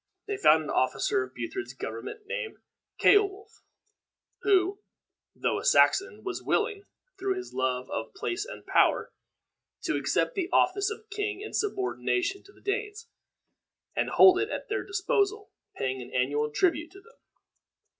They found an officer of Buthred's government named Ceolwulf, who, though a Saxon, was willing, through his love of place and power, to accept of the office of king in subordination to the Danes, and hold it at their disposal, paying an annual tribute to them.